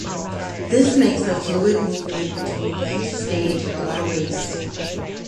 This makes a fluid movement between each stage of the race.